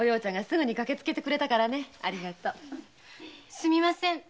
すみません。